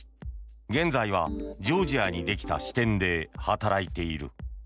現在はジョージアにできた支店で働いている。